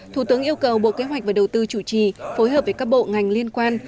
thủ tướng yêu cầu bộ kế hoạch và đầu tư chủ trì phối hợp với các bộ ngành liên quan